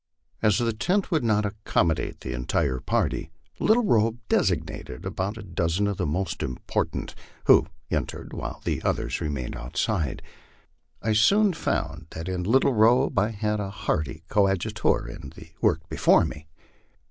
As the tent would not accommodate the entire party, Little Robe designated about a dozen of the most important, who entered, while the others remained outside. I soon found that in Little Robe I had a hearty coadjutor in the work before me.